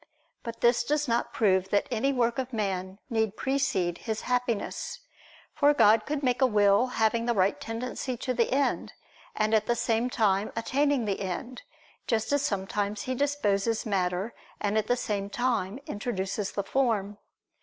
But this does not prove that any work of man need precede his Happiness: for God could make a will having a right tendency to the end, and at the same time attaining the end; just as sometimes He disposes matter and at the same time introduces the form.